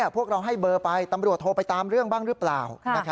พวกเราให้เบอร์ไปตำรวจโทรไปตามเรื่องบ้างหรือเปล่า